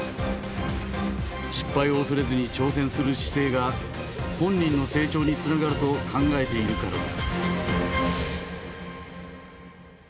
失敗を恐れずに挑戦する姿勢が本人の成長につながると考えているからだ。